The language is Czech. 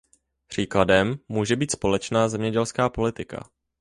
Příkladem může být společná zemědělská politika.